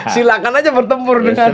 silahkan aja bertempur dengan